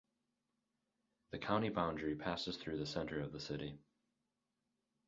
The county boundary passes through the center of the city.